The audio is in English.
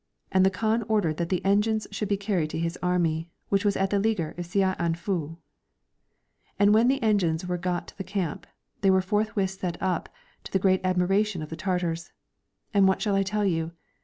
And the Kaan ordered that the engines should be carried to his army which was at the leaguer of Saianfu.' And when the engines were got to the camp they were forthwith set uj), to the great admiration of the Tartars. And what shall I tell you?